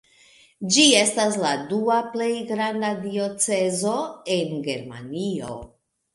Ĝi estas la dua plej granda diocezo en Germanio.